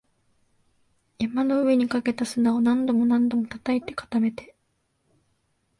山の上にかけた砂を何度も何度も叩いて、固めて